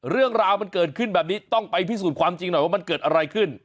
เรื่องราวมันเกิดขึ้นแบบนี้ต้องไปพิสูจน์ความจริงหน่อยว่ามันเกิดอะไรขึ้น